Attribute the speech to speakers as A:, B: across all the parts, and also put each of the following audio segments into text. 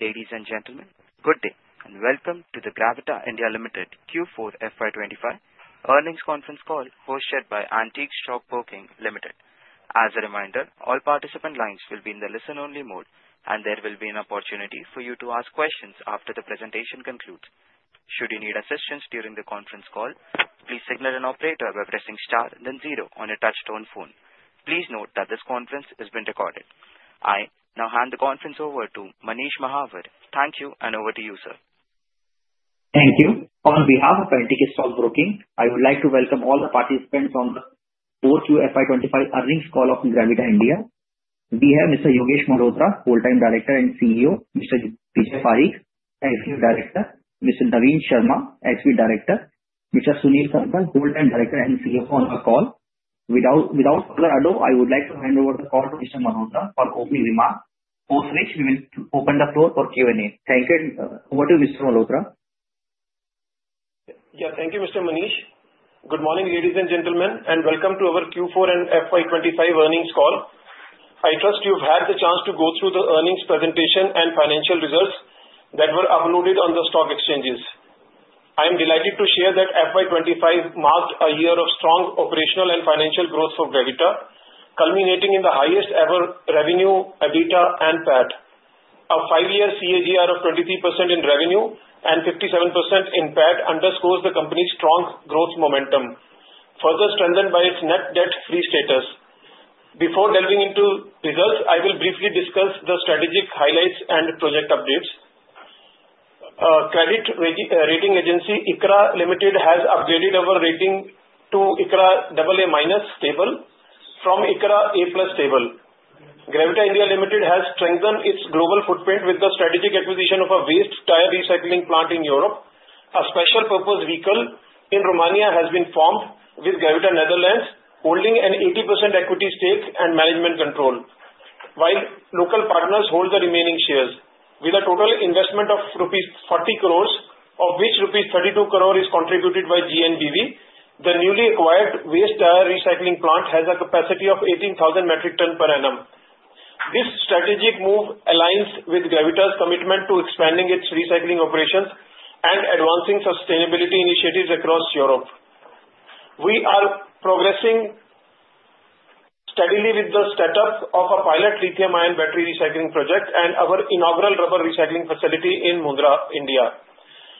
A: Ladies and gentlemen, good day and welcome to the Gravita India Limited Q4 FY25 earnings conference call hosted by Antique Stock Broking Limited. As a reminder, all participant lines will be in the listen-only mode, and there will be an opportunity for you to ask questions after the presentation concludes. Should you need assistance during the conference call, please signal an operator by pressing star, then zero on your touch-tone phone. Please note that this conference has been recorded. I now hand the conference over to Manish Mahavir. Thank you, and over to you, sir.
B: Thank you. On behalf of Antique Stock Broking, I would like to welcome all the participants on the 4Q FY2025 earnings call of Gravita India. We have Mr. Yogesh Malhotra, Whole-time Director and CEO; Mr. Vijay Pareek, Executive Director; Mr. Naveen Sharma, Executive Director; Mr. Sunil Kansal, Whole-time Director and CFO, on the call. Without further ado, I would like to hand over the call to Mr. Malhotra for opening remarks, post which we will open the floor for Q&A. Thank you. Over to Mr. Malhotra.
C: Yeah, thank you, Mr. Manish. Good morning, ladies and gentlemen, and welcome to our Q4 and FY2025 earnings call. I trust you've had the chance to go through the earnings presentation and financial results that were uploaded on the stock exchanges. I'm delighted to share that FY2025 marked a year of strong operational and financial growth for Gravita, culminating in the highest-ever revenue, EBITDA, and PAT. A five-year CAGR of 23% in revenue and 57% in PAT underscores the company's strong growth momentum, further strengthened by its net debt-free status. Before delving into results, I will briefly discuss the strategic highlights and project updates. Credit rating agency ICRA Limited has upgraded our rating to ICRA AA- table from ICRA A+ table. Gravita India Limited has strengthened its global footprint with the strategic acquisition of a waste tire recycling plant in Europe. A special purpose vehicle in Romania has been formed with Gravita Netherlands, holding an 80% equity stake and management control, while local partners hold the remaining shares. With a total investment of rupees 40 crore, of which rupees 32 crore is contributed by GNBV, the newly acquired waste tire recycling plant has a capacity of 18,000 metric tons per annum. This strategic move aligns with Gravita's commitment to expanding its recycling operations and advancing sustainability initiatives across Europe. We are progressing steadily with the startup of a pilot lithium-ion battery recycling project and our inaugural rubber recycling facility in Mundra, India.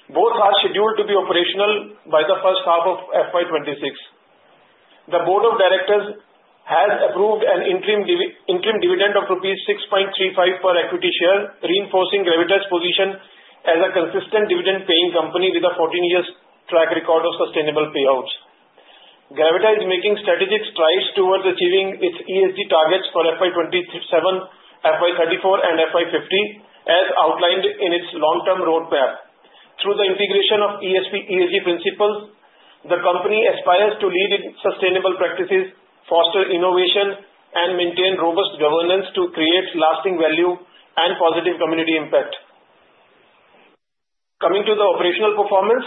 C: Both are scheduled to be operational by the first half of FY2026. The board of directors has approved an interim dividend of INR 6.35 per equity share, reinforcing Gravita's position as a consistent dividend-paying company with a 14-year track record of sustainable payouts. Gravita is making strategic strides towards achieving its ESG targets for FY 2027, FY 2034, and FY 2050, as outlined in its long-term roadmap. Through the integration of ESG principles, the company aspires to lead in sustainable practices, foster innovation, and maintain robust governance to create lasting value and positive community impact. Coming to the operational performance,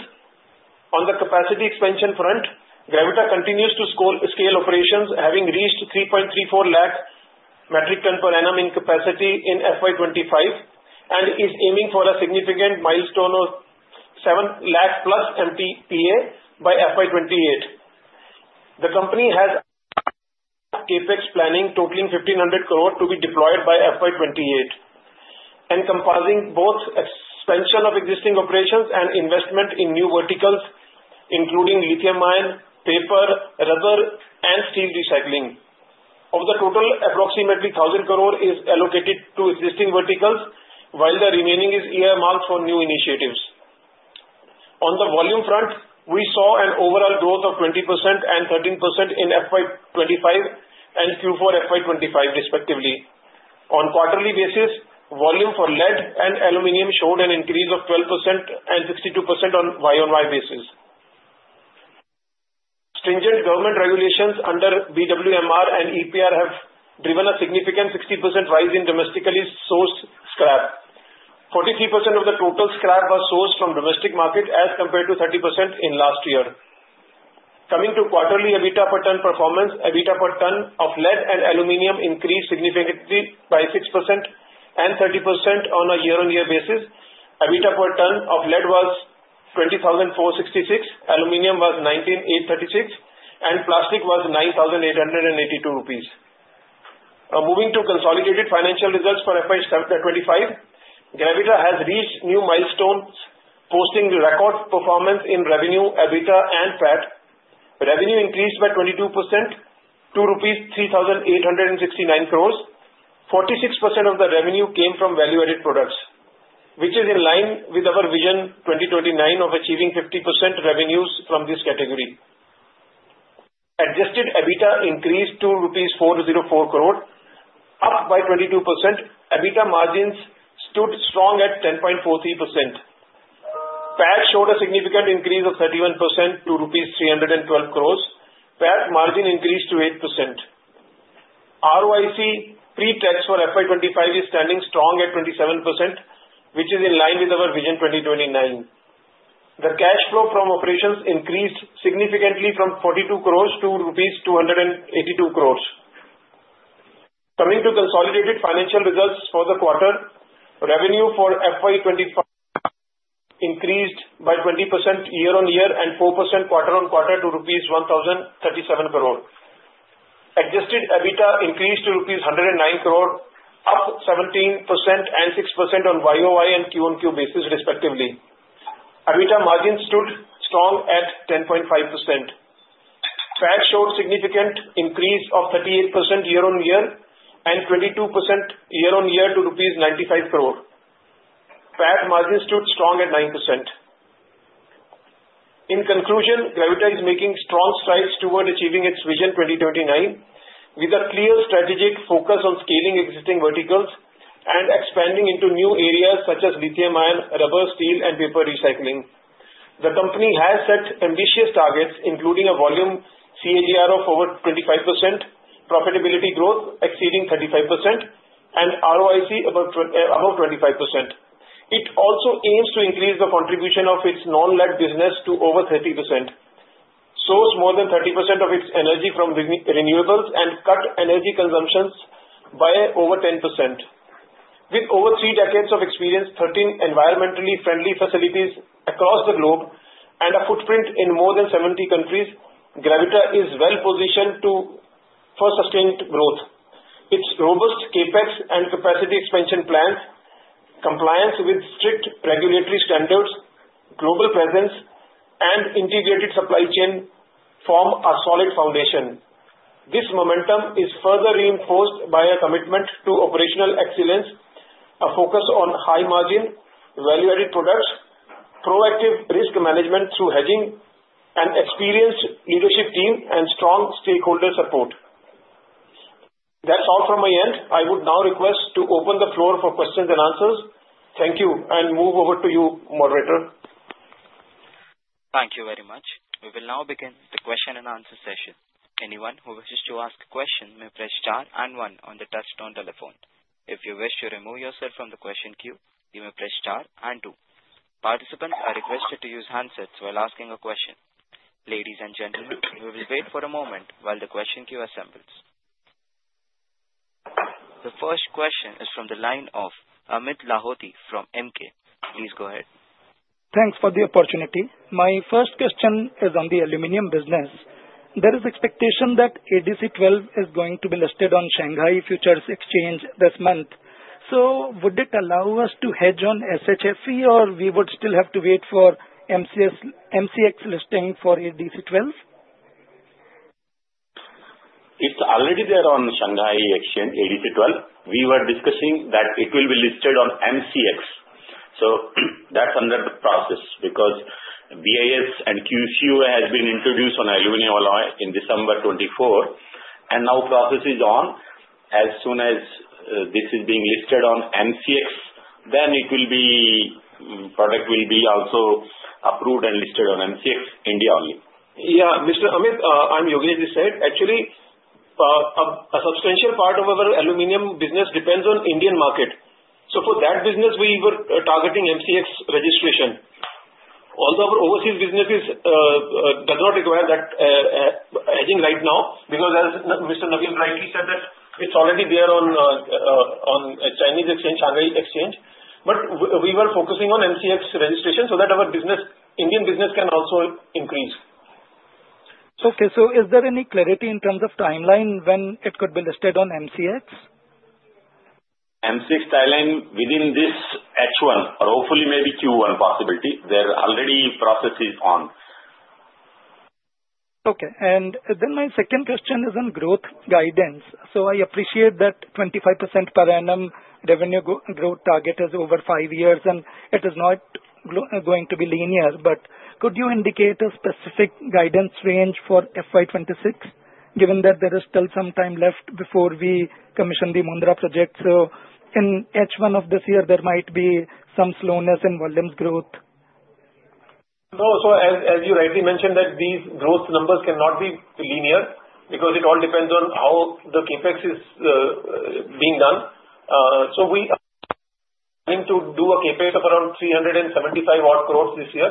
C: on the capacity expansion front, Gravita continues to scale operations, having reached 334,000 metric tons per annum in capacity in FY 2025 and is aiming for a significant milestone of 700,000 plus MTPA by FY 2028. The company has CAPEX planning totaling 1,500 crore to be deployed by FY 2028, encompassing both expansion of existing operations and investment in new verticals, including lithium-ion, paper, rubber, and steel recycling. Of the total, approximately 1,000 crore is allocated to existing verticals, while the remaining is earmarked for new initiatives. On the volume front, we saw an overall growth of 20% and 13% in FY 2025 and Q4 FY 2025, respectively. On quarterly basis, volume for lead and aluminum showed an increase of 12% and 62% on Y-on-Y basis. Stringent government regulations under BWMR and EPR have driven a significant 60% rise in domestically sourced scrap. 43% of the total scrap was sourced from the domestic market, as compared to 30% in last year. Coming to quarterly EBITDA per ton performance, EBITDA per ton of lead and aluminum increased significantly by 6% and 30% on a year-on-year basis. EBITDA per ton of lead was 20,466, aluminum was 19,836, and plastic was 9,882 rupees. Moving to consolidated financial results for FY 2025, Gravita has reached new milestones, posting record performance in revenue, EBITDA, and PAT. Revenue increased by 22% to rupees 3,869 crore. 46% of the revenue came from value-added products, which is in line with our vision 2029 of achieving 50% revenues from this category. Adjusted EBITDA increased to 404 crore rupees, up by 22%. EBITDA margins stood strong at 10.43%. PAT showed a significant increase of 31% to rupees 312 crore. PAT margin increased to 8%. ROIC pre-tax for FY 2025 is standing strong at 27%, which is in line with our vision 2029. The cash flow from operations increased significantly from 42 crore to rupees 282 crore. Coming to consolidated financial results for the quarter, revenue for FY 2025 increased by 20% year-on-year and 4% quarter-on-quarter to rupees 1,037 crore. Adjusted EBITDA increased to rupees 109 crore, up 17% and 6% on Y-on-Y and Q-on-Q bases, respectively. EBITDA margin stood strong at 10.5%. PAT showed significant increase of 38% year-on-year and 22% quarter-on-quarter to rupees 95 crore. PAT margin stood strong at 9%. In conclusion, Gravita is making strong strides toward achieving its vision 2029 with a clear strategic focus on scaling existing verticals and expanding into new areas such as lithium-ion, rubber, steel, and paper recycling. The company has set ambitious targets, including a volume CAGR of over 25%, profitability growth exceeding 35%, and ROIC above 25%. It also aims to increase the contribution of its non-lead business to over 30%, source more than 30% of its energy from renewables, and cut energy consumption by over 10%. With over three decades of experience in 13 environmentally friendly facilities across the globe and a footprint in more than 70 countries, Gravita is well-positioned for sustained growth. Its robust CAPEX and capacity expansion plans, compliance with strict regulatory standards, global presence, and integrated supply chain form a solid foundation. This momentum is further reinforced by a commitment to operational excellence, a focus on high-margin, value-added products, proactive risk management through hedging, an experienced leadership team, and strong stakeholder support. That's all from my end. I would now request to open the floor for questions and answers. Thank you, and move over to you, moderator.
A: Thank you very much. We will now begin the question-and-answer session. Anyone who wishes to ask a question may press star and one on the touch-tone telephone. If you wish to remove yourself from the question queue, you may press star and two. Participants are requested to use handsets while asking a question. Ladies and gentlemen, we will wait for a moment while the question queue assembles. The first question is from the line of Amit Lahoti from Emkay. Please go ahead.
D: Thanks for the opportunity. My first question is on the aluminum business. There is expectation that ADC12 is going to be listed on Shanghai Futures Exchange this month. Would it allow us to hedge on SHFE, or we would still have to wait for MCX listing for ADC12?
E: It's already there on Shanghai Futures Exchange, ADC12. We were discussing that it will be listed on MCX. That is under the process because BIS and QCU have been introduced on aluminum alloy in December 2024, and now process is on. As soon as this is being listed on MCX, then it will be product will be also approved and listed on MCX India only.
C: Yeah, Mr. Amit, I'm Yogesh. Actually, a substantial part of our aluminum business depends on the Indian market. For that business, we were targeting MCX registration. Although our overseas businesses do not require that hedging right now because, as Mr. Naveen rightly said, it's already there on Chinese Exchange, Shanghai Exchange. We were focusing on MCX registration so that our Indian business can also increase.
D: Okay. Is there any clarity in terms of timeline when it could be listed on MCX?
E: MCX timeline within this H1 or hopefully maybe Q1 possibility. There are already processes on.
D: Okay. My second question is on growth guidance. I appreciate that 25% per annum revenue growth target is over five years, and it is not going to be linear. Could you indicate a specific guidance range for FY2026, given that there is still some time left before we commission the Mundra project? In H1 of this year, there might be some slowness in volumes growth.
C: No. As you rightly mentioned, these growth numbers cannot be linear because it all depends on how the CAPEX is being done. We are planning to do a CAPEX of around 3.75 billion this year.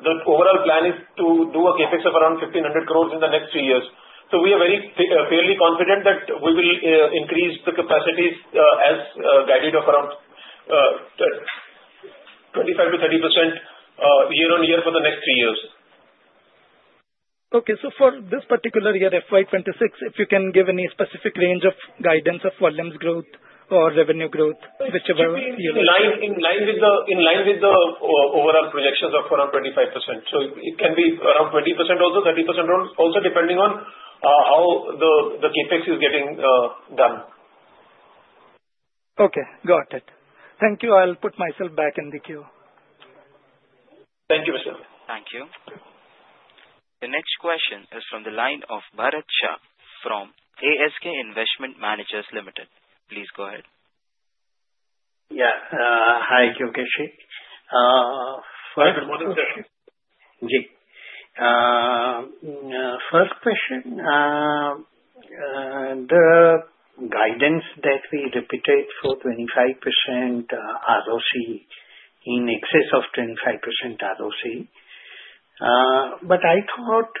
C: The overall plan is to do a CAPEX of around 15 billion in the next three years. We are very fairly confident that we will increase the capacities as guided of around 25%-30% year-on-year for the next three years.
D: Okay. For this particular year, FY2026, if you can give any specific range of guidance of volumes growth or revenue growth, whichever year.
C: In line with the overall projections of around 25%. It can be around 20% also, 30% also, depending on how the CAPEX is getting done.
D: Okay. Got it. Thank you. I'll put myself back in the queue.
C: Thank you, Mr.
A: Thank you. The next question is from the line of Bharat Shah from ASK Investment Managers Limited. Please go ahead.
F: Yeah. Hi, Yogesh.
E: Good morning, sir.
F: Ji. First question, the guidance that we reputate for 25% ROIC in excess of 25% ROIC. I thought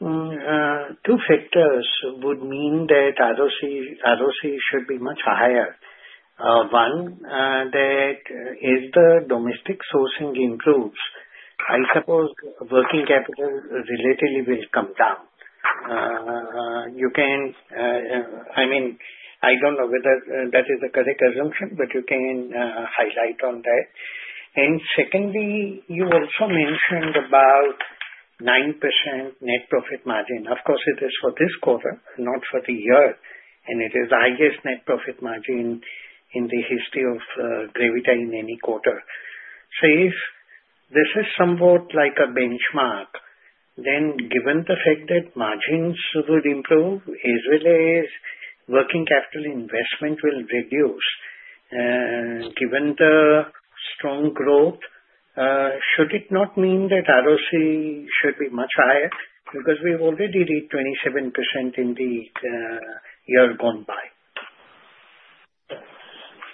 F: two factors would mean that ROIC should be much higher. One, that if the domestic sourcing improves, I suppose working capital relatively will come down. I mean, I don't know whether that is a correct assumption, but you can highlight on that. Secondly, you also mentioned about 9% net profit margin. Of course, it is for this quarter, not for the year. It is the highest net profit margin in the history of Gravita in any quarter. If this is somewhat like a benchmark, then given the fact that margins would improve as well as working capital investment will reduce, given the strong growth, should it not mean that ROIC should be much higher? Because we've already reached 27% in the year gone by.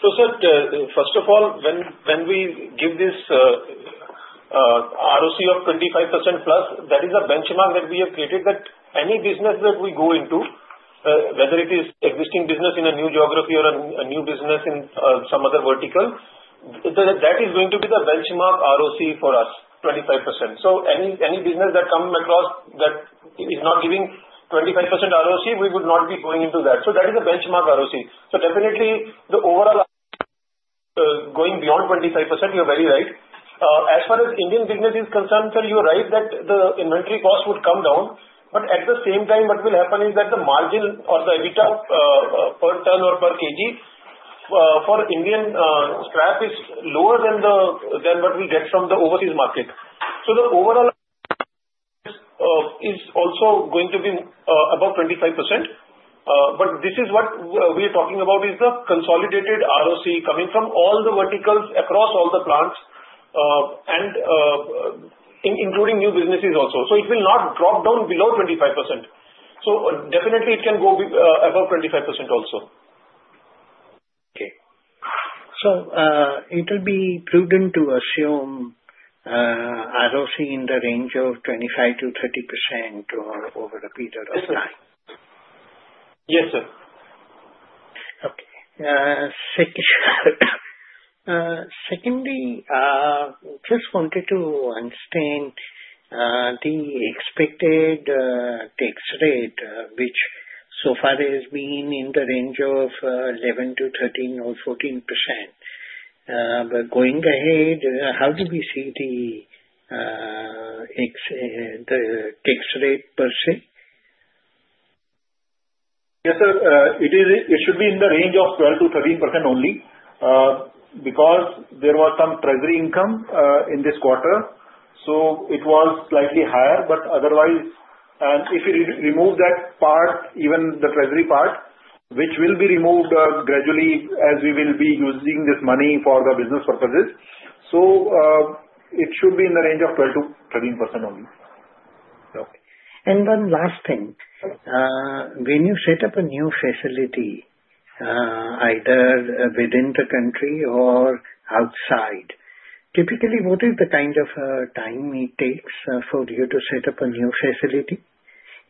C: First of all, when we give this ROIC of 25% plus, that is a benchmark that we have created that any business that we go into, whether it is existing business in a new geography or a new business in some other vertical, that is going to be the benchmark ROIC for us, 25%. Any business that comes across that is not giving 25% ROIC, we would not be going into that. That is a benchmark ROIC. Definitely, the overall going beyond 25%, you're very right. As far as Indian business is concerned, you're right that the inventory cost would come down. At the same time, what will happen is that the margin or the EBITDA per ton or per kg for Indian scrap is lower than what we get from the overseas market. The overall is also going to be above 25%. This is what we are talking about, the consolidated ROC coming from all the verticals across all the plants, including new businesses also. It will not drop down below 25%. Definitely, it can go above 25% also.
F: Okay. So it will be prudent to assume ROIC in the range of 25%-30% over a period of time?
C: Yes, sir.
F: Okay. Secondly, just wanted to understand the expected tax rate, which so far has been in the range of 11%-13% or 14%. Going ahead, how do we see the tax rate per se?
C: Yes, sir. It should be in the range of 12%-13% only because there was some treasury income in this quarter. It was slightly higher. If you remove that part, even the treasury part, which will be removed gradually as we will be using this money for the business purposes, it should be in the range of 12%-13% only.
F: Okay. One last thing. When you set up a new facility, either within the country or outside, typically, what is the kind of time it takes for you to set up a new facility?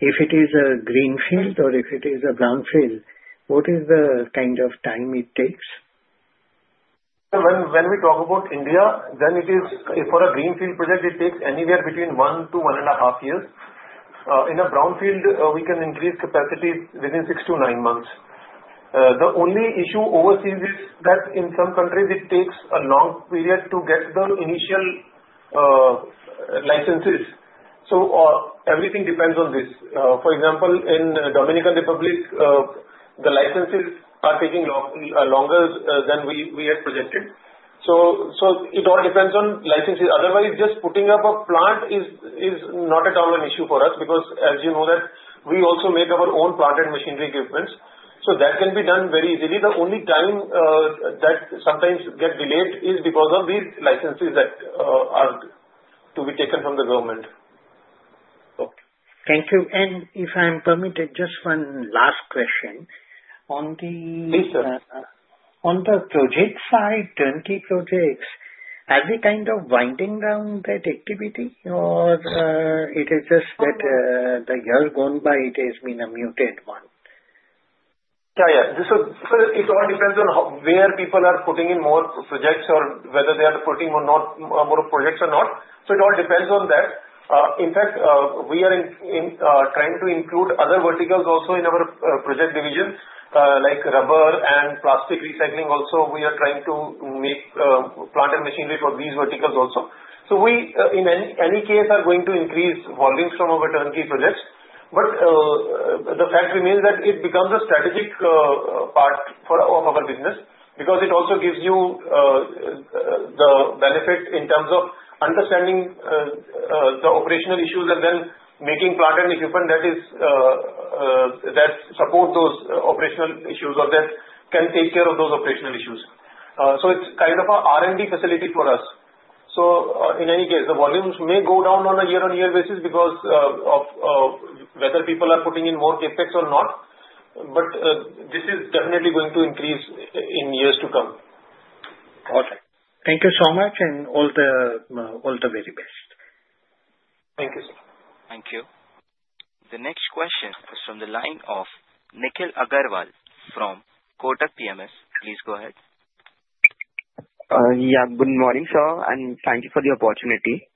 F: If it is a greenfield or if it is a brownfield, what is the kind of time it takes?
C: When we talk about India, then for a greenfield project, it takes anywhere between one to one and a half years. In a brownfield, we can increase capacity within six to nine months. The only issue overseas is that in some countries, it takes a long period to get the initial licenses. Everything depends on this. For example, in Dominican Republic, the licenses are taking longer than we had projected. It all depends on licenses. Otherwise, just putting up a plant is not at all an issue for us because, as you know, we also make our own plant and machinery equipment. That can be done very easily. The only time that sometimes gets delayed is because of these licenses that are to be taken from the government.
F: Okay. Thank you. If I'm permitted, just one last question. On the project side, 20 projects, are they kind of winding down that activity, or is it just that the year gone by, it has been a muted one?
C: Yeah, yeah. It all depends on where people are putting in more projects or whether they are putting more projects or not. It all depends on that. In fact, we are trying to include other verticals also in our project division, like rubber and plastic recycling. Also, we are trying to make plant and machinery for these verticals also. We, in any case, are going to increase volumes from our turnkey projects. The fact remains that it becomes a strategic part of our business because it also gives you the benefit in terms of understanding the operational issues and then making plant and equipment that support those operational issues or that can take care of those operational issues. It is kind of an R&D facility for us. In any case, the volumes may go down on a year-on-year basis because of whether people are putting in more CAPEX or not. This is definitely going to increase in years to come.
F: All right. Thank you so much, and all the very best.
C: Thank you, sir.
A: Thank you. The next question is from the line of Nikhil Agrawal from Kotak PMS. Please go ahead.
G: Yeah. Good morning, sir. Thank you for the opportunity.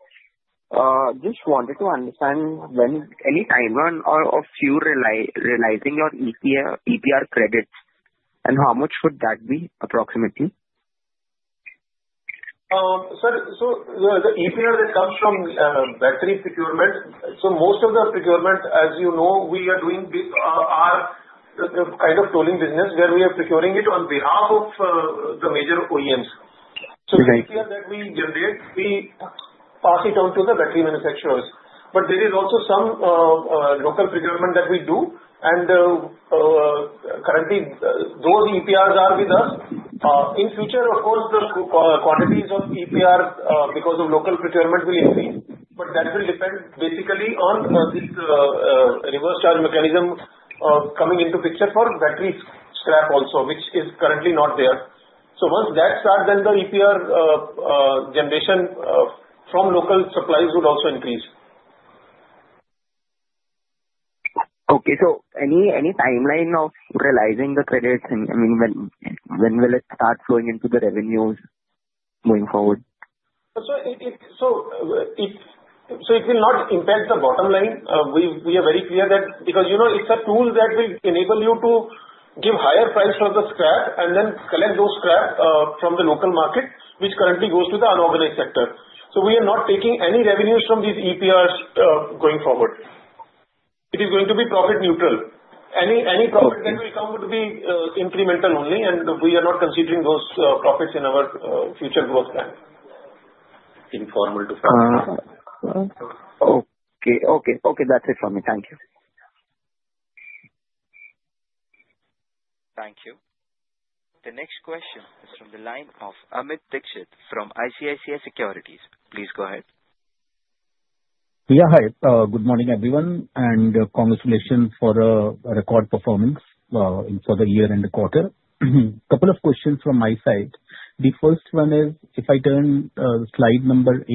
G: Just wanted to understand when any time or if you're realizing your EPR credits and how much would that be approximately?
C: Sir, the EPR that comes from battery procurement, most of the procurement, as you know, we are doing our kind of tolling business where we are procuring it on behalf of the major OEMs. The EPR that we generate, we pass it on to the battery manufacturers. There is also some local procurement that we do. Currently, those EPRs are with us. In future, of course, the quantities of EPR because of local procurement will increase. That will depend basically on this reverse charge mechanism coming into picture for battery scrap also, which is currently not there. Once that starts, the EPR generation from local suppliers would also increase.
G: Okay. Any timeline of realizing the credits? I mean, when will it start flowing into the revenues going forward?
C: It will not impact the bottom line. We are very clear that because it's a tool that will enable you to give higher price for the scrap and then collect those scrap from the local market, which currently goes to the unorganized sector. We are not taking any revenues from these EPRs going forward. It is going to be profit neutral. Any profit that will come would be incremental only, and we are not considering those profits in our future growth plan. Informal to family.
G: Okay. Okay. Okay. That's it from me. Thank you.
A: Thank you. The next question is from the line of Amit Dixit from ICICI Securities. Please go ahead.
H: Yeah. Hi. Good morning, everyone. Congratulations for a record performance for the year and the quarter. A couple of questions from my side. The first one is, if I turn to slide number 8,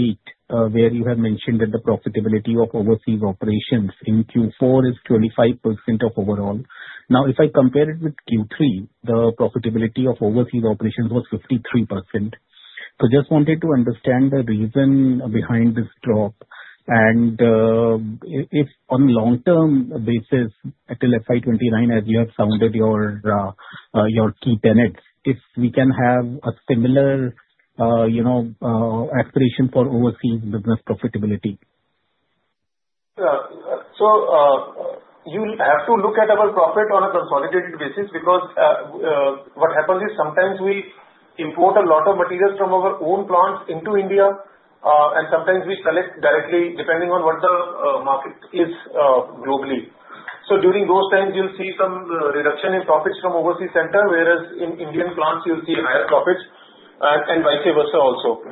H: where you have mentioned that the profitability of overseas operations in Q4 is 25% of overall. Now, if I compare it with Q3, the profitability of overseas operations was 53%. Just wanted to understand the reason behind this drop. If on a long-term basis, until FY2029, as you have sounded your key tenets, if we can have a similar aspiration for overseas business profitability?
C: You have to look at our profit on a consolidated basis because what happens is sometimes we import a lot of materials from our own plants into India, and sometimes we select directly depending on what the market is globally. During those times, you'll see some reduction in profits from overseas center, whereas in Indian plants, you'll see higher profits and vice versa also.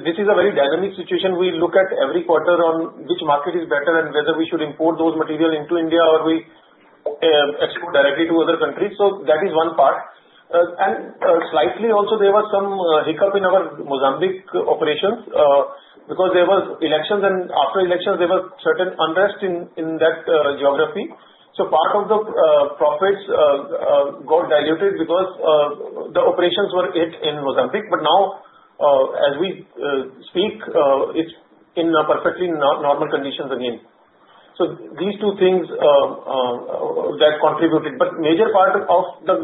C: This is a very dynamic situation. We look at every quarter on which market is better and whether we should import those materials into India or we export directly to other countries. That is one part. Slightly also, there was some hiccup in our Mozambique operations because there were elections, and after elections, there was certain unrest in that geography. Part of the profits got diluted because the operations were hit in Mozambique. Now, as we speak, it's in perfectly normal conditions again. These two things contributed. The major part of that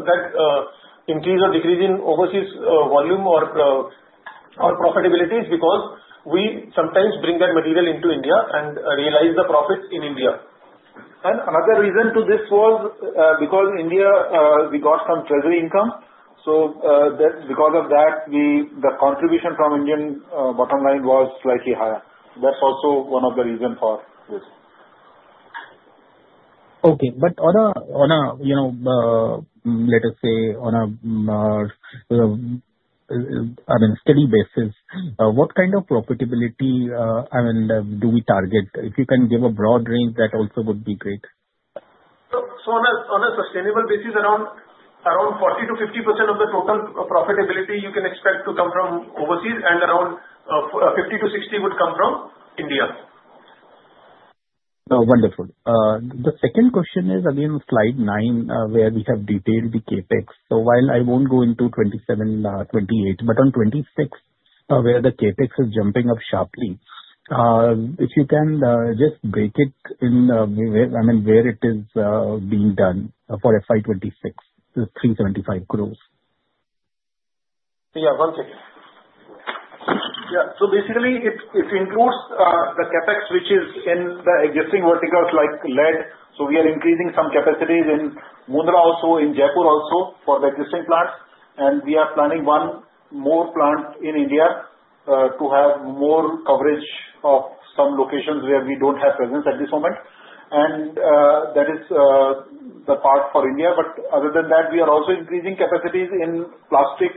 C: increase or decrease in overseas volume or profitability is because we sometimes bring that material into India and realize the profits in India. Another reason to this was because in India, we got some treasury income. Because of that, the contribution from Indian bottom line was slightly higher. That's also one of the reasons for this.
H: Okay. On a, let us say, on a, I mean, steady basis, what kind of profitability, I mean, do we target? If you can give a broad range, that also would be great.
C: On a sustainable basis, around 40%-50% of the total profitability you can expect to come from overseas, and around 50%-60% would come from India.
H: Wonderful. The second question is, again, slide 9, where we have detailed the CAPEX. While I will not go into 2027, 2028, on 2026, where the CAPEX is jumping up sharply, if you can just break it in, I mean, where it is being done for FY2026, the 375 crore.
C: Yeah. One second. Yeah. Basically, it includes the CAPEX, which is in the existing verticals like lead. We are increasing some capacities in Mundra also, in Jaipur also for the existing plants. We are planning one more plant in India to have more coverage of some locations where we do not have presence at this moment. That is the part for India. Other than that, we are also increasing capacities in plastic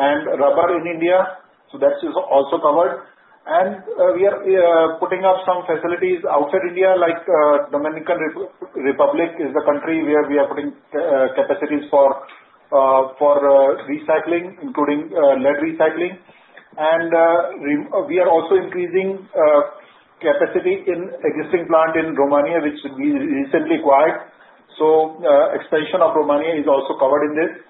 C: and rubber in India. That is also covered. We are putting up some facilities outside India, like Dominican Republic is the country where we are putting capacities for recycling, including lead recycling. We are also increasing capacity in existing plant in Romania, which we recently acquired. Expansion of Romania is also covered in this.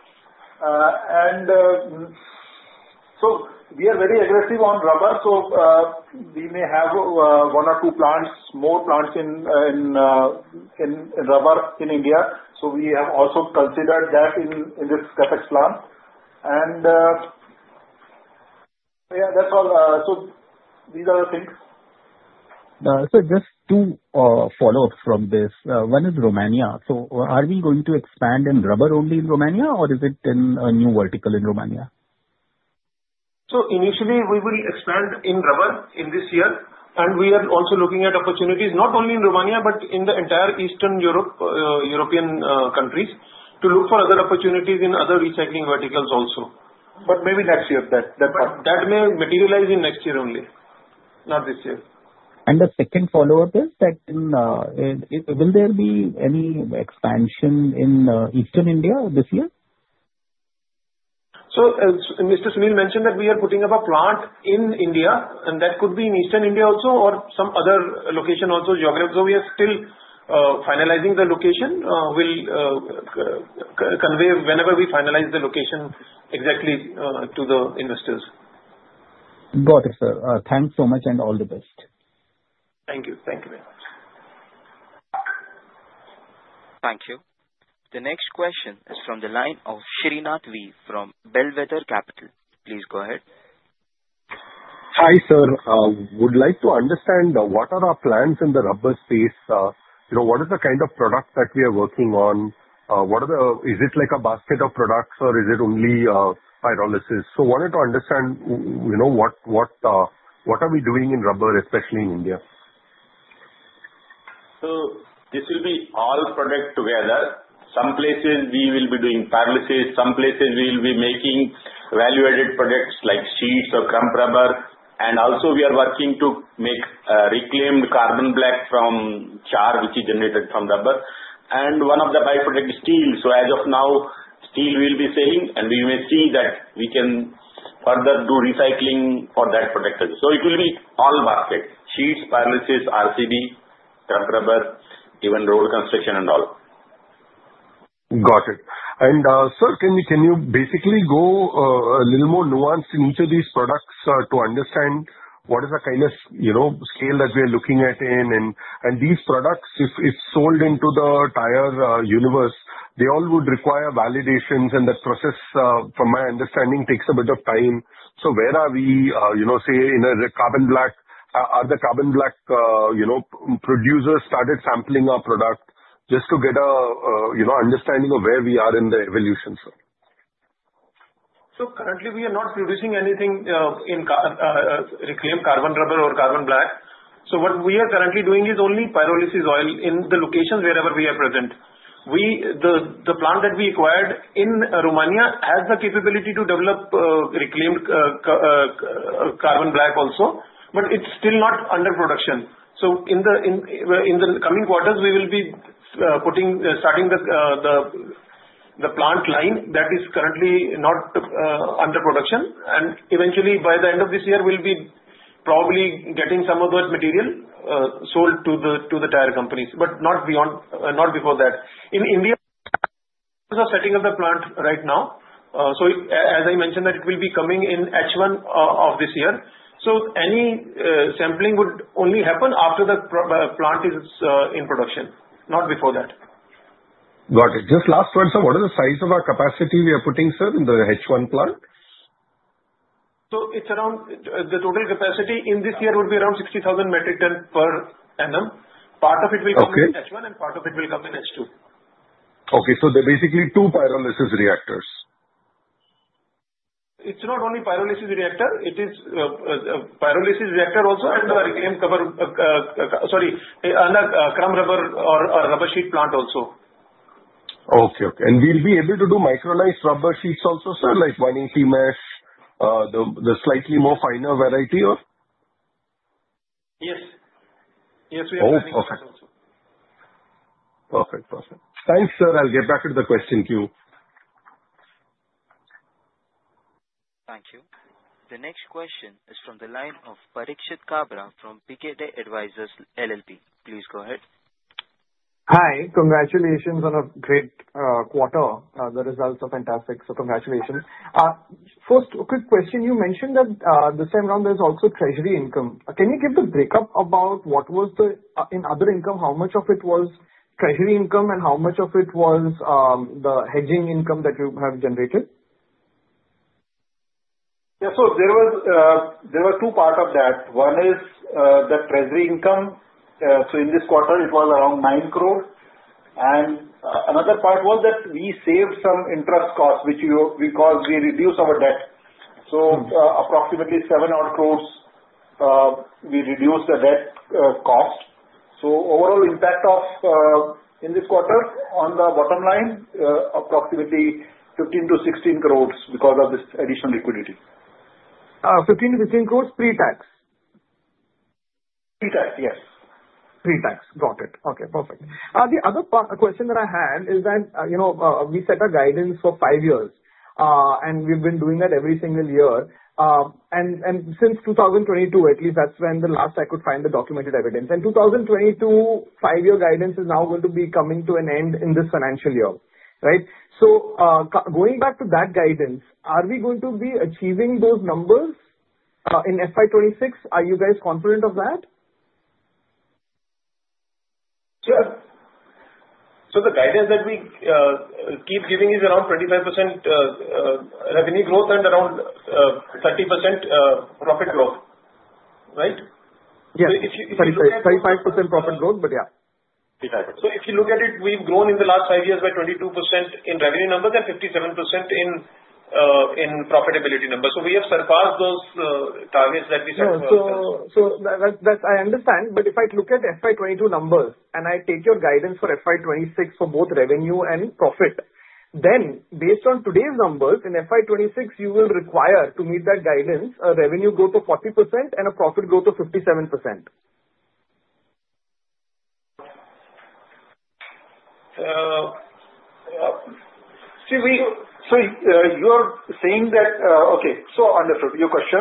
C: We are very aggressive on rubber. We may have one or two more plants in rubber in India. We have also considered that in this CAPEX plan. Yeah, that's all. These are the things.
H: Sir, just two follow-ups from this. One is Romania. Are we going to expand in rubber only in Romania, or is it a new vertical in Romania?
C: Initially, we will expand in rubber in this year. We are also looking at opportunities not only in Romania but in the entire Eastern European countries to look for other opportunities in other recycling verticals also. Maybe next year, that may materialize in next year only, not this year.
H: Will there be any expansion in Eastern India this year?
C: Mr. Sunil mentioned that we are putting up a plant in India, and that could be in Eastern India also or some other location also, geography. We are still finalizing the location. We will convey whenever we finalize the location exactly to the investors.
H: Got it, sir. Thanks so much and all the best.
C: Thank you. Thank you very much.
A: Thank you. The next question is from the line of Srinath V from Bellwether Capital. Please go ahead.
I: Hi, sir. Would like to understand what are our plans in the rubber space? What is the kind of product that we are working on? Is it like a basket of products, or is it only pyrolysis? Wanted to understand what are we doing in rubber, especially in India?
J: This will be all product together. Some places, we will be doing pyrolysis. Some places, we will be making value-added products like sheets or crumb rubber. Also, we are working to make reclaimed carbon black from char which is generated from rubber. One of the by-products is steel. As of now, steel will be staying, and we may see that we can further do recycling for that product. It will be all basket: sheets, pyrolysis, RCB, crumb rubber, even road construction and all.
I: Got it. Sir, can you basically go a little more nuanced in each of these products to understand what is the kind of scale that we are looking at in? These products, if sold into the tire universe, they all would require validations, and that process, from my understanding, takes a bit of time. Where are we, say, in a carbon black? Are the carbon black producers started sampling our product just to get an understanding of where we are in the evolution, sir?
C: Currently, we are not producing anything in reclaimed carbon rubber or carbon black. What we are currently doing is only pyrolysis oil in the locations wherever we are present. The plant that we acquired in Romania has the capability to develop reclaimed carbon black also, but it is still not under production. In the coming quarters, we will be starting the plant line that is currently not under production. Eventually, by the end of this year, we will probably be getting some of that material sold to the tire companies, but not before that. In India, because of setting up the plant right now, as I mentioned, it will be coming in H1 of this year. Any sampling would only happen after the plant is in production, not before that.
I: Got it. Just last one, sir. What is the size of our capacity we are putting, sir, in the H1 plant?
C: The total capacity in this year would be around 60,000 metric tons per annum. Part of it will come in H1, and part of it will come in H2.
I: Okay. So basically, two pyrolysis reactors?
C: It's not only pyrolysis reactor. It is a pyrolysis reactor also and a reclaimed carbon black—sorry—and a crumb rubber or rubber sheet plant also.
I: Okay. Okay. Will we be able to do micronized rubber sheets also, sir, like winding T-mesh, the slightly more finer variety, or?
C: Yes. Yes, we have micronized also. Oh, perfect. Perfect. Perfect. Thanks, sir. I'll get back to the question queue.
A: Thank you. The next question is from the line of Parikshit Kabra from Pkeday Advisors LLP. Please go ahead.
K: Hi. Congratulations on a great quarter. The results are fantastic. Congratulations. First, a quick question. You mentioned that this time around, there's also treasury income. Can you give the breakup about what was in other income, how much of it was treasury income, and how much of it was the hedging income that you have generated?
C: Yeah. There were two parts of that. One is the treasury income. In this quarter, it was around 90 million. Another part was that we saved some interest costs, which we caused; we reduced our debt. Approximately 70 million, we reduced the debt cost. Overall impact in this quarter on the bottom line, approximately 150 million-160 million because of this additional liquidity.
K: 15-16 crore pre-tax?
C: Pre-tax, yes.
K: Pre-tax. Got it. Okay. Perfect. The other question that I had is that we set a guidance for five years, and we've been doing that every single year. Since 2022, at least, that's when the last I could find the documented evidence. In 2022, five-year guidance is now going to be coming to an end in this financial year, right? Going back to that guidance, are we going to be achieving those numbers in FY2026? Are you guys confident of that?
C: Sure. The guidance that we keep giving is around 25% revenue growth and around 30% profit growth, right?
K: Yeah. 35% profit growth, but yeah.
C: If you look at it, we've grown in the last five years by 22% in revenue numbers and 57% in profitability numbers. We have surpassed those targets that we set for ourselves.
K: I understand. If I look at FY2022 numbers and I take your guidance for FY2026 for both revenue and profit, then based on today's numbers, in FY2206, you will require, to meet that guidance, a revenue growth of 40% and a profit growth of 57%.
C: You are saying that okay. Understood your question.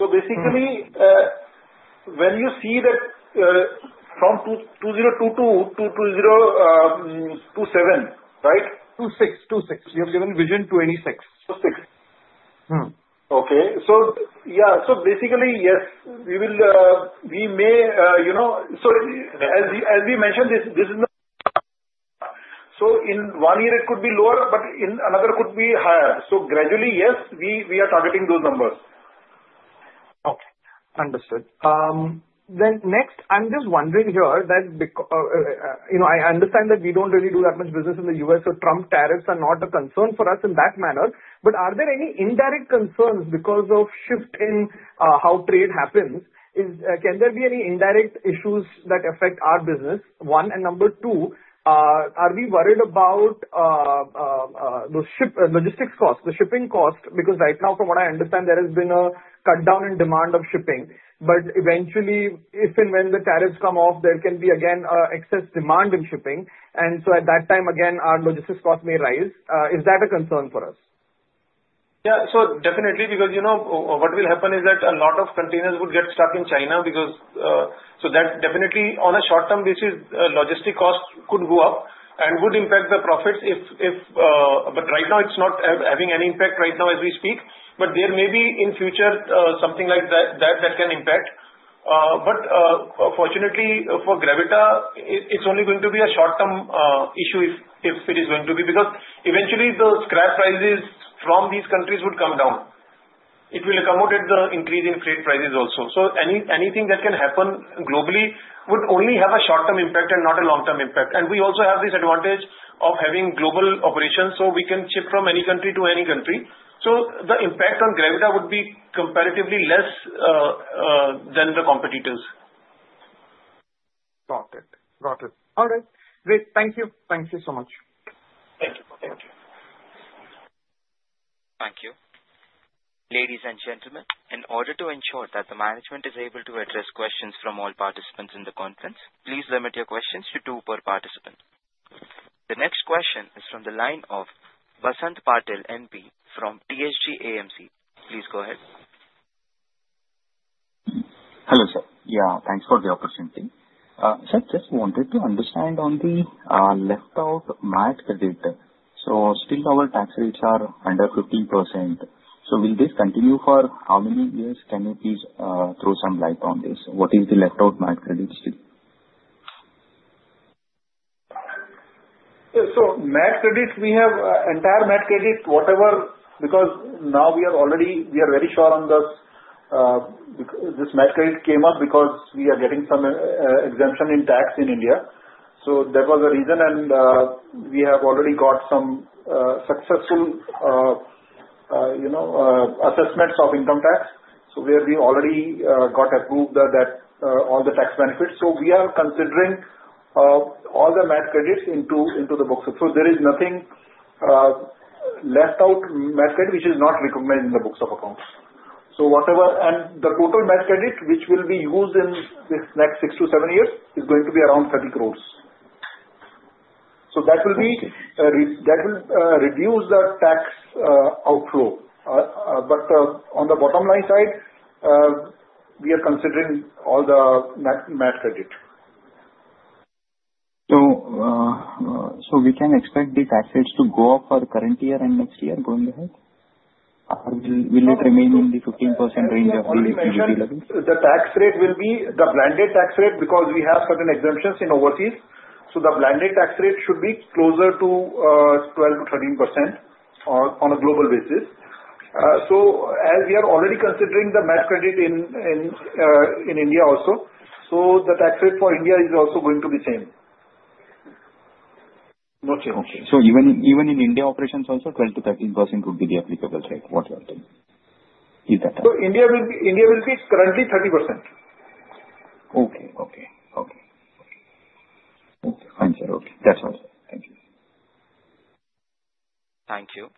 C: Basically, when you see that from 2022-2027, right?
K: 2026. 2026. You have given vision 2026.
C: 2026. Okay. Yeah. Basically, yes, we may—as we mentioned, this is not—in one year, it could be lower, but in another, it could be higher. Gradually, yes, we are targeting those numbers.
K: Okay. Understood. Next, I'm just wondering here that I understand that we do not really do that much business in the U.S., so Trump tariffs are not a concern for us in that manner. Are there any indirect concerns because of a shift in how trade happens? Can there be any indirect issues that affect our business? One. Number two, are we worried about the logistics cost, the shipping cost? Right now, from what I understand, there has been a cutdown in demand of shipping. Eventually, if and when the tariffs come off, there can be again excess demand in shipping. At that time, again, our logistics cost may rise. Is that a concern for us?
C: Yeah. So definitely, because what will happen is that a lot of containers would get stuck in China because, so that definitely, on a short-term basis, logistic cost could go up and would impact the profits. Right now, it's not having any impact right now as we speak. There may be in future something like that that can impact. Fortunately, for Gravita, it's only going to be a short-term issue if it is going to be because eventually, the scrap prices from these countries would come down. It will accommodate the increase in freight prices also. Anything that can happen globally would only have a short-term impact and not a long-term impact. We also have this advantage of having global operations, so we can ship from any country to any country. The impact on Gravita would be comparatively less than the competitors.
K: Got it. Got it. All right. Great. Thank you. Thank you so much.
C: Thank you. Thank you.
A: Thank you. Ladies and gentlemen, in order to ensure that the management is able to address questions from all participants in the conference, please limit your questions to two per participant. The next question is from the line of Basant Patel, NP from THG AMC. Please go ahead.
L: Hello, sir. Yeah. Thanks for the opportunity. Sir, just wanted to understand on the left-out MAT credit. Still, our tax rates are under 15%. Will this continue for how many years? Can you please throw some light on this? What is the left-out MAT credit still?
C: Mat credit, we have entire mat credit, whatever, because now we are already—we are very sure on this. This mat credit came up because we are getting some exemption in tax in India. That was the reason. We have already got some successful assessments of income tax, where we already got approved that all the tax benefits. We are considering all the mat credits into the books. There is nothing left-out mat credit which is not recognized in the books of accounts. Whatever—and the total mat credit which will be used in this next six to seven years is going to be around 30 crore. That will reduce the tax outflow. On the bottom-line side, we are considering all the mat credit.
L: Can we expect the tax rates to go up for the current year and next year going ahead? Will it remain in the 15% range of the GDP level?
C: The tax rate will be the blended tax rate because we have certain exemptions in overseas. The blended tax rate should be closer to 12-13% on a global basis. As we are already considering the MAT credit in India also, the tax rate for India is also going to be the same.
L: Okay. Even in India operations, also 12-13% would be the applicable rate. What about that?
C: India will be currently 30%.
L: Okay. Fine, sir. Okay. That's all. Thank you.
A: Thank you.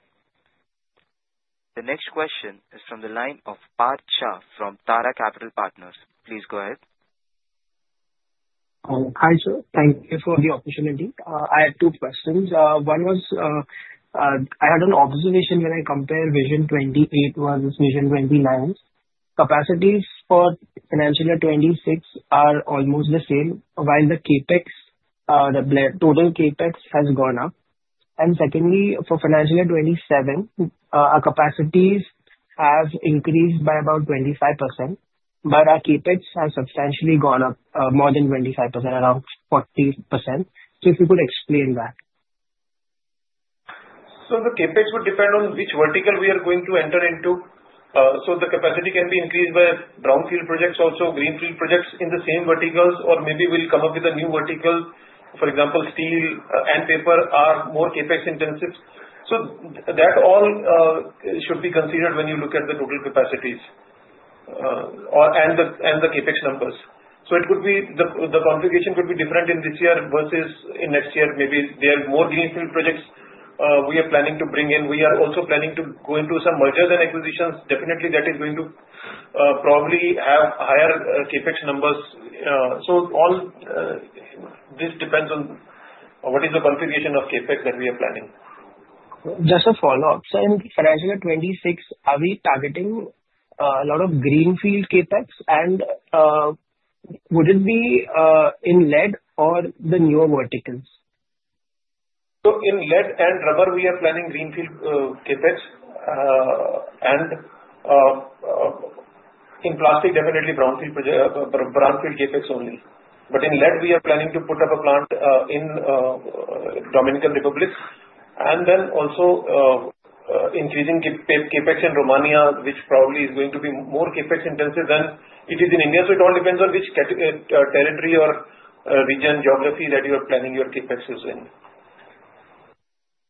A: The next question is from the line of Pat Chah from Tara Capital Partners. Please go ahead.
M: Hi, sir. Thank you for the opportunity. I have two questions. One was I had an observation when I compared vision 28 versus vision 29. Capacities for financial year 2026 are almost the same, while the total CAPEX has gone up. Secondly, for financial year 2027, our capacities have increased by about 25%, but our CAPEX has substantially gone up more than 25%, around 40%. If you could explain that.
C: The CAPEX would depend on which vertical we are going to enter into. The capacity can be increased by brownfield projects, also greenfield projects in the same verticals, or maybe we will come up with a new vertical. For example, steel and paper are more CAPEX intensive. That all should be considered when you look at the total capacities and the CAPEX numbers. The configuration could be different in this year versus in next year. Maybe there are more greenfield projects we are planning to bring in. We are also planning to go into some mergers and acquisitions. Definitely, that is going to probably have higher CAPEX numbers. This depends on what is the configuration of CAPEX that we are planning.
M: Just a follow-up. In financial year 2026, are we targeting a lot of greenfield CAPEX, and would it be in lead or the newer verticals?
C: In lead and rubber, we are planning greenfield CAPEX. In plastic, definitely brownfield CAPEX only. In lead, we are planning to put up a plant in Dominican Republic. We are also increasing CAPEX in Romania, which probably is going to be more CAPEX intensive than it is in India. It all depends on which territory or region, geography that you are planning your CAPEX using.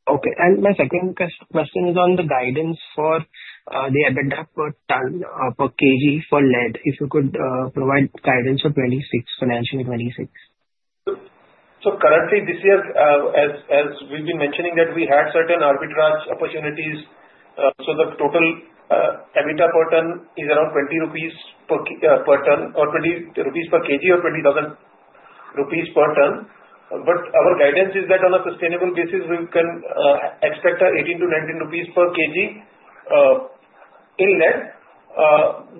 M: Okay. My second question is on the guidance for the EBITDA per kg for lead. If you could provide guidance for financial year 2026.
C: Currently, this year, as we've been mentioning, we had certain arbitrage opportunities. The total EBITDA per ton is around 20 rupees per kg or 20,000 rupees per ton. Our guidance is that on a sustainable basis, we can expect INR 18-19 per kg in lead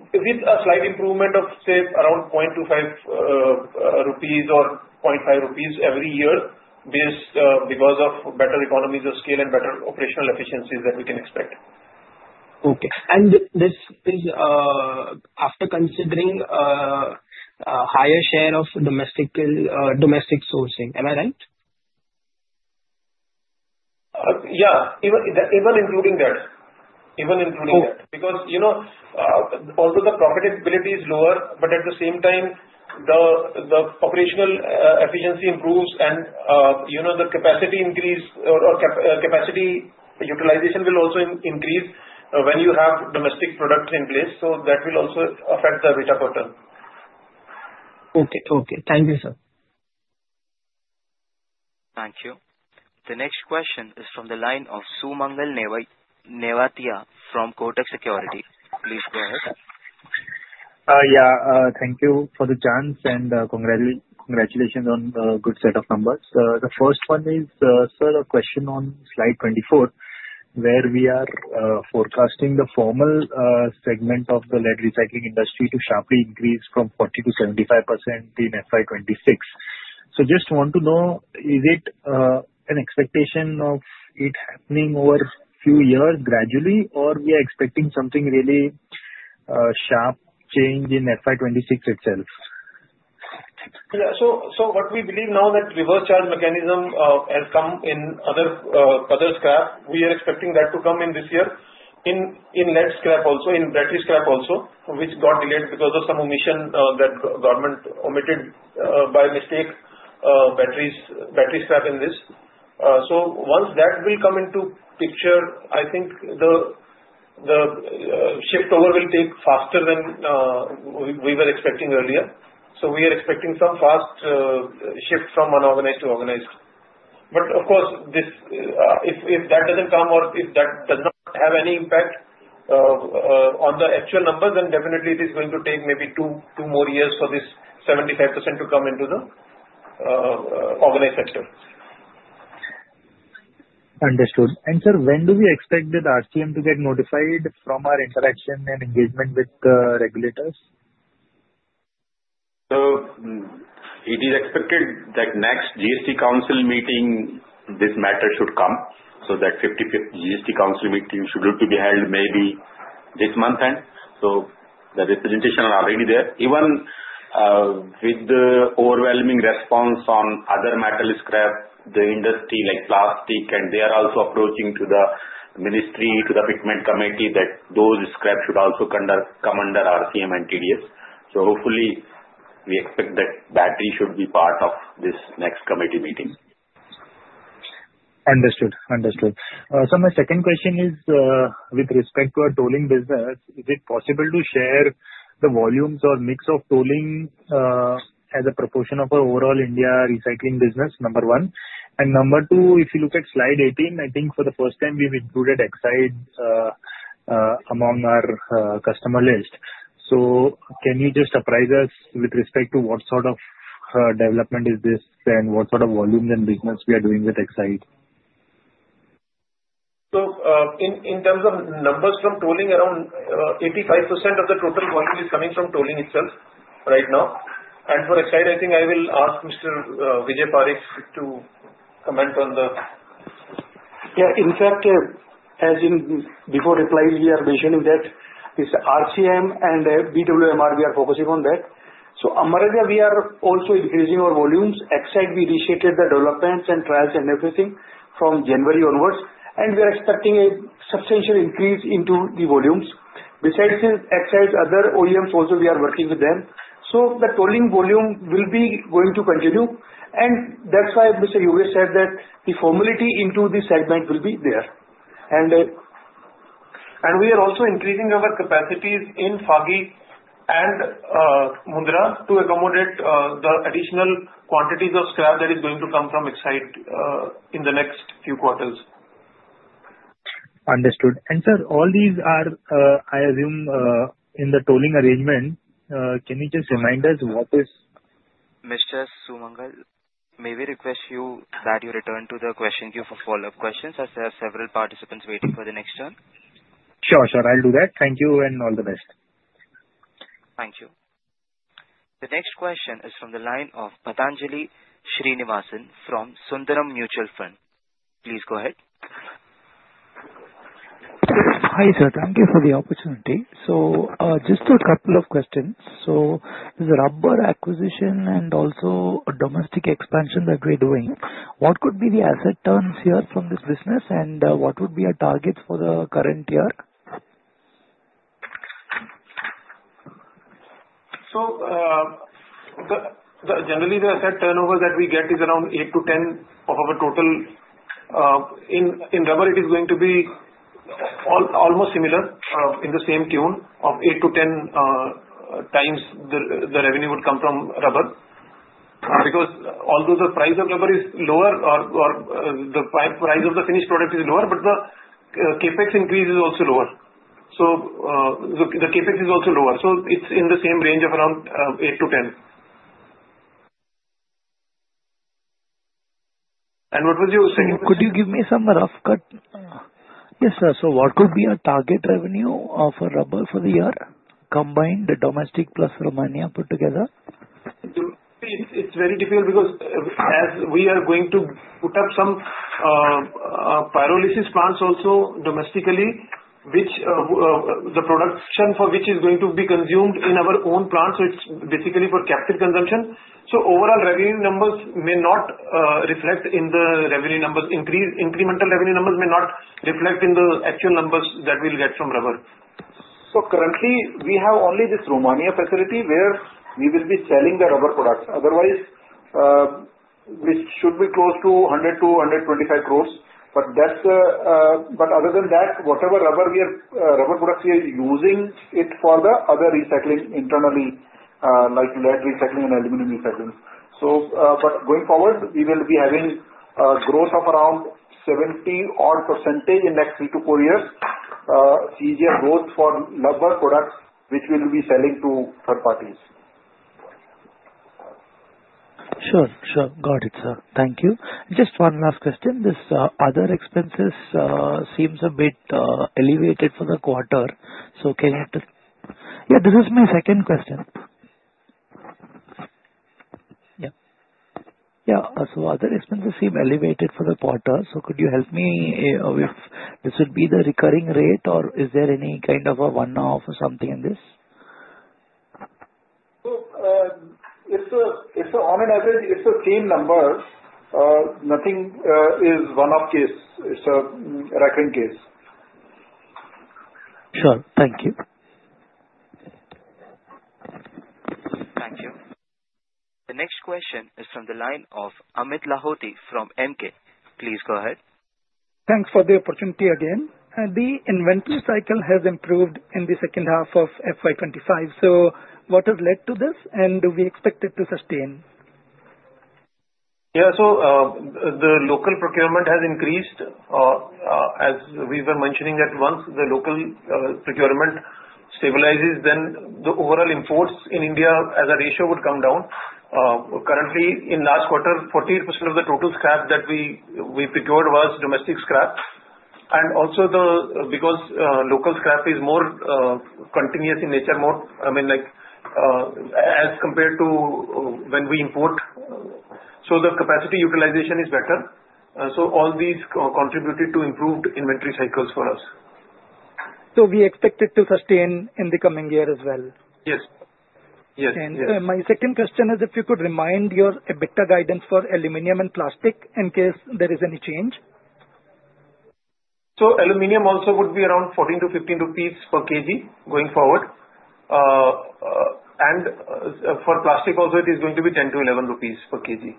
C: with a slight improvement of, say, around 0.25 rupees or 0.5 rupees every year because of better economies of scale and better operational efficiencies that we can expect.
M: Okay. This is after considering a higher share of domestic sourcing. Am I right?
C: Yeah. Even including that. Even including that. Because although the profitability is lower, but at the same time, the operational efficiency improves and the capacity increase or capacity utilization will also increase when you have domestic products in place. That will also affect the EBITDA per ton.
N: Okay. Okay. Thank you, sir.
A: Thank you. The next question is from the line of Sumangal Nevatia from Kotak Securities. Please go ahead.
O: Yeah. Thank you for the chance and congratulations on a good set of numbers. The first one is, sir, a question on slide 24, where we are forecasting the formal segment of the lead recycling industry to sharply increase from 40% to 75% in FY2026. Just want to know, is it an expectation of it happening over a few years gradually, or are we expecting something really sharp change in FY2026 itself?
C: What we believe now that reverse charge mechanism has come in other scrap, we are expecting that to come in this year in lead scrap also, in battery scrap also, which got delayed because of some omission that government omitted by mistake, battery scrap in this. Once that will come into picture, I think the shift over will take faster than we were expecting earlier. We are expecting some fast shift from unorganized to organized. Of course, if that does not come or if that does not have any impact on the actual numbers, then definitely it is going to take maybe two more years for this 75% to come into the organized sector.
O: Understood. Sir, when do we expect the RCM to get notified from our interaction and engagement with the regulators?
B: It is expected that next GST Council meeting, this matter should come. That 55th GST Council meeting should be held maybe this month end. The representation are already there. Even with the overwhelming response on other metal scrap, the industry like plastic, and they are also approaching to the ministry, to the Pigment Committee, that those scraps should also come under RCM and TDS. Hopefully, we expect that battery should be part of this next committee meeting.
O: Understood. Understood. My second question is, with respect to our tolling business, is it possible to share the volumes or mix of tolling as a proportion of our overall India recycling business, number one? Number two, if you look at slide 18, I think for the first time, we've included Exide among our customer list. Can you just apprise us with respect to what sort of development is this and what sort of volumes and business we are doing with Exide?
C: In terms of numbers from tolling, around 85% of the total volume is coming from tolling itself right now. For Exide, I think I will ask Mr. Vijay Parekh to comment on the.
N: Yeah. In fact, as in before replies, we are mentioning that it's RCM and BWMR we are focusing on that. Amaradhya, we are also increasing our volumes. Exide, we initiated the developments and trials and everything from January onwards. We are expecting a substantial increase into the volumes. Besides Exide, other OEMs also, we are working with them. The tolling volume will be going to continue. That is why Mr. Yogesh said that the formality into this segment will be there. We are also increasing our capacities in Fagi and Mundra to accommodate the additional quantities of scrap that is going to come from Exide in the next few quarters.
O: Understood. Sir, all these are, I assume, in the tolling arrangement. Can you just remind us what is.
A: Mr. Sumanel, may we request you that you return to the question queue for follow-up questions as there are several participants waiting for the next turn?
O: Sure, sir. I'll do that. Thank you and all the best.
A: Thank you. The next question is from the line of Pathanjali Srinivasan from Sundaram Mutual Fund. Please go ahead.
P: Hi, sir. Thank you for the opportunity. Just a couple of questions. This rubber acquisition and also domestic expansion that we're doing, what could be the asset turns here from this business, and what would be our targets for the current year?
C: Generally, the asset turnover that we get is around 8-10 of our total. In rubber, it is going to be almost similar in the same tune of 8-10 times the revenue would come from rubber. Because although the price of rubber is lower or the price of the finished product is lower, the CAPEX increase is also lower. The CAPEX is also lower. It is in the same range of around 8-10. What was your second question?
P: Could you give me some rough cut? Yes, sir. What could be our target revenue for rubber for the year combined? The domestic plus Romania put together?
C: It's very difficult because as we are going to put up some pyrolysis plants also domestically, which the production for which is going to be consumed in our own plants, so it's basically for captive consumption. Overall revenue numbers may not reflect in the revenue numbers. Incremental revenue numbers may not reflect in the actual numbers that we'll get from rubber. Currently, we have only this Romania facility where we will be selling the rubber products. Otherwise, which should be close to 1,000,000,000-1,250,000,000. Other than that, whatever rubber products we are using, it's for the other recycling internally, like lead recycling and aluminum recycling. Going forward, we will be having a growth of around 70% in next three to four years, CGR growth for rubber products, which we will be selling to third parties.
P: Sure. Got it, sir. Thank you. Just one last question. This other expenses seems a bit elevated for the quarter. Can you just? Yeah, this is my second question. Yeah. Other expenses seem elevated for the quarter. Could you help me with this? Would it be the recurring rate, or is there any kind of a one-off or something in this?
C: On an average, it's the same numbers. Nothing is one-off case. It's a recurring case.
P: Sure. Thank you.
A: Thank you. The next question is from the line of Amit Lahoti from Emkay. Please go ahead.
D: Thanks for the opportunity again. The inventory cycle has improved in the second half of FY 2025. What has led to this, and do we expect it to sustain?
C: Yeah. The local procurement has increased. As we were mentioning that once the local procurement stabilizes, then the overall imports in India as a ratio would come down. Currently, in last quarter, 48% of the total scrap that we procured was domestic scrap. Also, because local scrap is more continuous in nature, I mean, as compared to when we import, the capacity utilization is better. All these contributed to improved inventory cycles for us.
D: We expect it to sustain in the coming year as well?
C: Yes. Yes.
D: My second question is if you could remind your EBITDA guidance for aluminum and plastic in case there is any change.
C: Aluminium also would be around 14-15 rupees per kg going forward. For plastic also, it is going to be 10-11 rupees per kg,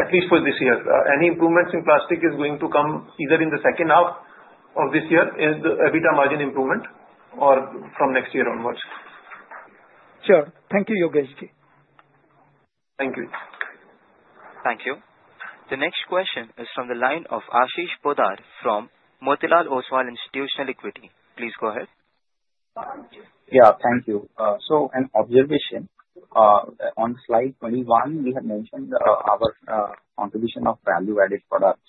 C: at least for this year. Any improvements in plastic are going to come either in the second half of this year as the EBITDA margin improvement or from next year onwards.
D: Sure. Thank you, Yogesh.
C: Thank you.
A: Thank you. The next question is from the line of Ashish Poddar from Motilal Oswal Institutional Equity. Please go ahead.
Q: Yeah. Thank you. An observation on slide 21, we had mentioned our contribution of value-added products,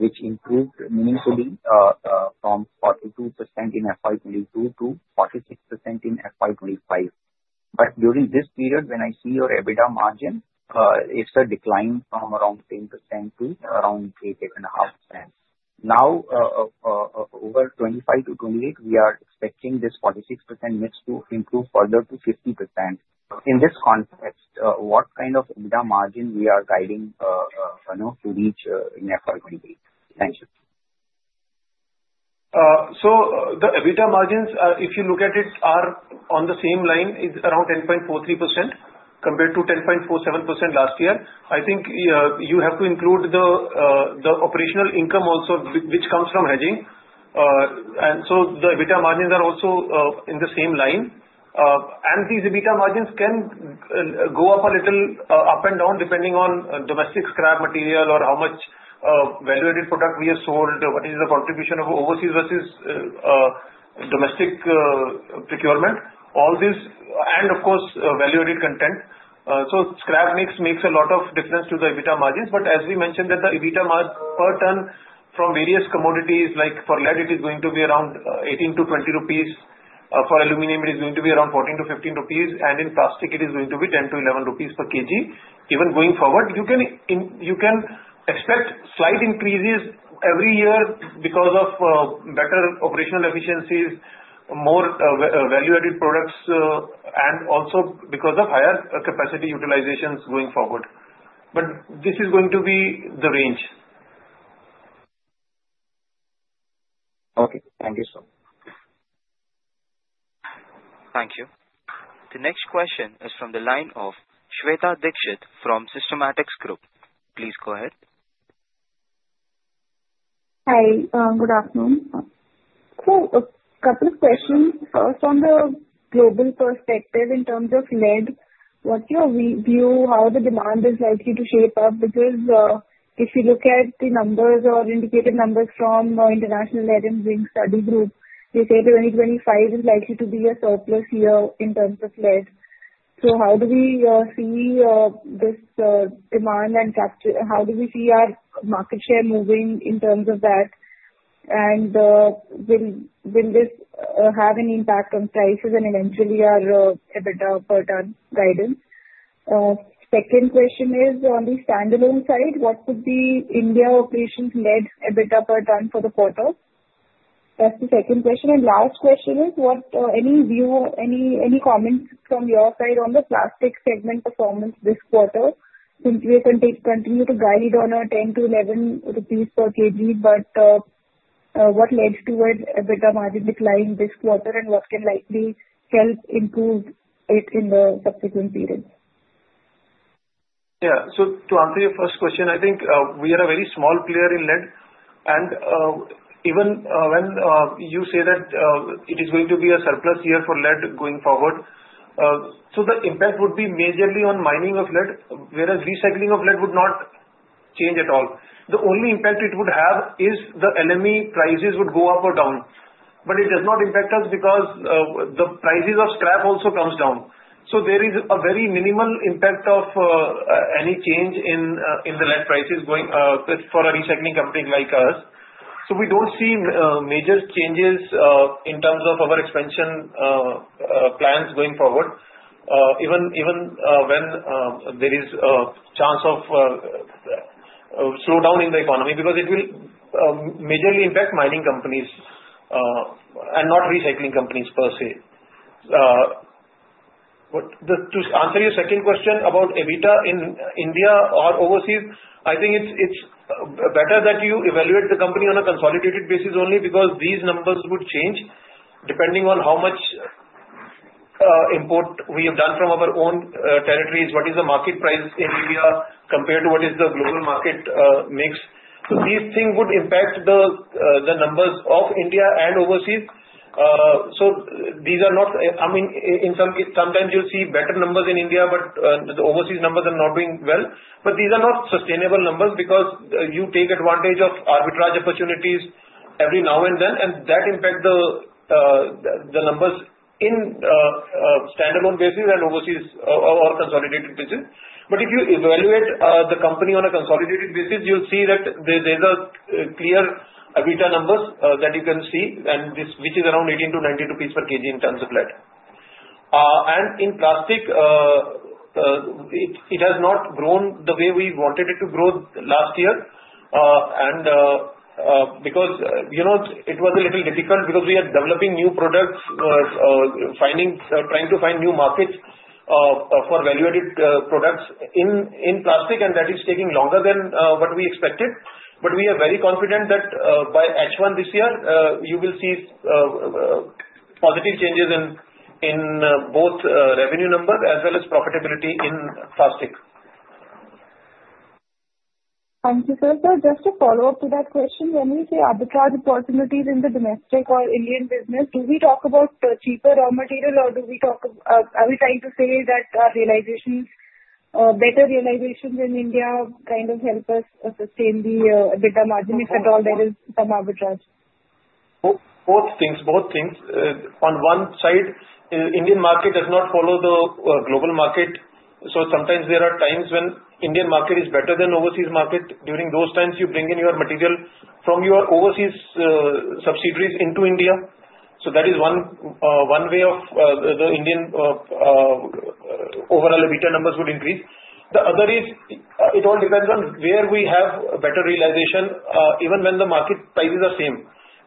Q: which improved meaningfully from 42% in FY2022 to 46% in FY2025. During this period, when I see your EBITDA margin, it is a decline from around 10% to around 8-8.5%. Now, over 2025 to 2028, we are expecting this 46% mix to improve further to 50%. In this context, what kind of EBITDA margin are we guiding to reach in FY2028? Thank you.
C: The EBITDA margins, if you look at it, are on the same line, is around 10.43% compared to 10.47% last year. I think you have to include the operational income also, which comes from hedging. The EBITDA margins are also in the same line. These EBITDA margins can go up a little, up and down, depending on domestic scrap material or how much value-added product we have sold, what is the contribution of overseas versus domestic procurement, all this, and of course, value-added content. Scrap mix makes a lot of difference to the EBITDA margins. As we mentioned, the EBITDA per ton from various commodities, like for lead, it is going to be around 18-20 rupees. For aluminium, it is going to be around 14-15 rupees. In plastic, it is going to be 10-11 rupees per kg. Even going forward, you can expect slight increases every year because of better operational efficiencies, more value-added products, and also because of higher capacity utilizations going forward. This is going to be the range.
Q: Okay. Thank you, sir.
A: Thank you. The next question is from the line of Shweta Diksht from Systematix Group. Please go ahead.
R: Hi. Good afternoon. A couple of questions. First, on the global perspective in terms of lead, what's your view how the demand is likely to shape up? Because if you look at the numbers or indicated numbers from the International Lead and Zinc Study Group, they say 2025 is likely to be a surplus year in terms of lead. How do we see this demand and capture? How do we see our market share moving in terms of that? Will this have an impact on prices and eventually our EBITDA per ton guidance? Second question is on the standalone side, what would be India operation's net EBITDA per ton for the quarter? That's the second question. Last question is, any comments from your side on the plastic segment performance this quarter? Since we have continued to guide on our 10-11 rupees per kg, but what led to our EBITDA margin decline this quarter, and what can likely help improve it in the subsequent periods?
C: Yeah. To answer your first question, I think we are a very small player in lead. Even when you say that it is going to be a surplus year for lead going forward, the impact would be majorly on mining of lead, whereas recycling of lead would not change at all. The only impact it would have is the LME prices would go up or down. It does not impact us because the prices of scrap also come down. There is a very minimal impact of any change in the lead prices for a recycling company like us. We do not see major changes in terms of our expansion plans going forward, even when there is a chance of slowdown in the economy because it will majorly impact mining companies and not recycling companies per se. To answer your second question about EBITDA in India or overseas, I think it's better that you evaluate the company on a consolidated basis only because these numbers would change depending on how much import we have done from our own territories, what is the market price in India compared to what is the global market mix. These things would impact the numbers of India and overseas. These are not, I mean, sometimes you'll see better numbers in India, but the overseas numbers are not doing well. These are not sustainable numbers because you take advantage of arbitrage opportunities every now and then, and that impacts the numbers in standalone basis and overseas or consolidated basis. If you evaluate the company on a consolidated basis, you'll see that there's a clear EBITDA numbers that you can see, which is around 18-19 rupees per kg in terms of lead. In plastic, it has not grown the way we wanted it to grow last year. It was a little difficult because we are developing new products, trying to find new markets for value-added products in plastic, and that is taking longer than what we expected. We are very confident that by H1 this year, you will see positive changes in both revenue numbers as well as profitability in plastic.
R: Thank you, sir. Just to follow up to that question, when we say arbitrage opportunities in the domestic or Indian business, do we talk about cheaper raw material, or are we trying to say that better realizations in India kind of help us sustain the EBITDA margin if at all there is some arbitrage?
C: Both things. Both things. On one side, the Indian market does not follow the global market. Sometimes there are times when the Indian market is better than the overseas market. During those times, you bring in your material from your overseas subsidiaries into India. That is one way the Indian overall EBITDA numbers would increase. The other is it all depends on where we have better realization, even when the market prices are the same.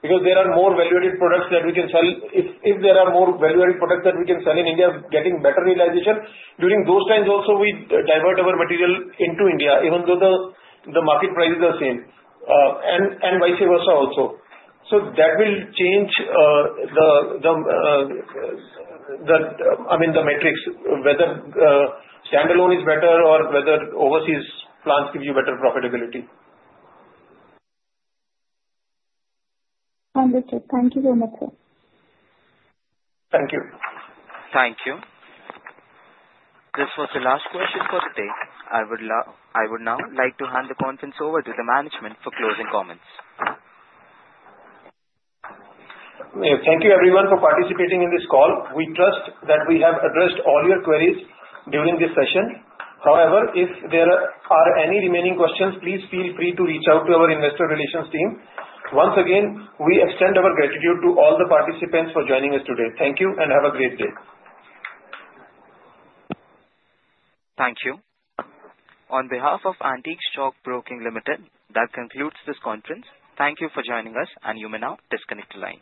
C: Because there are more value-added products that we can sell. If there are more value-added products that we can sell in India, getting better realization, during those times also, we divert our material into India, even though the market prices are the same. Vice versa also. That will change the, I mean, the metrics, whether standalone is better or whether overseas plants give you better profitability.
R: Understood. Thank you so much, sir.
C: Thank you.
A: Thank you. This was the last question for the day. I would now like to hand the conference over to the management for closing comments.
C: Thank you, everyone, for participating in this call. We trust that we have addressed all your queries during this session. However, if there are any remaining questions, please feel free to reach out to our investor relations team. Once again, we extend our gratitude to all the participants for joining us today. Thank you, and have a great day.
A: Thank you. On behalf of Antique Stock Broking Limited, that concludes this conference. Thank you for joining us, and you may now disconnect the lines.